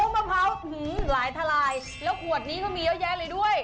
มะพร้าวหลายทลายแล้วขวดนี้ก็มีเยอะแยะเลยด้วย